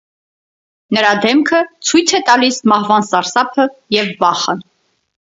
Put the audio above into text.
Նրա դեմքը ցույց է տալիս մահվան սարսափը և վախը։